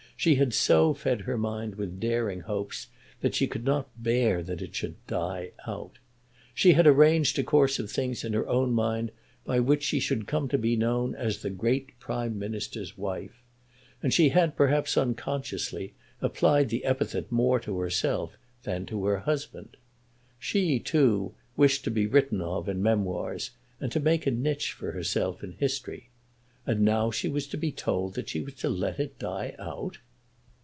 She had so fed her mind with daring hopes that she could not bear that it should "die out." She had arranged a course of things in her own mind by which she should come to be known as the great Prime Minister's wife; and she had, perhaps unconsciously, applied the epithet more to herself than to her husband. She, too, wished to be written of in memoirs, and to make a niche for herself in history. And now she was told that she was to let it "die out!"